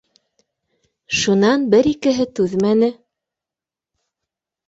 Шунан бер-икеһе түҙмәне